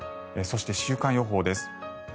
そして、週間予報です。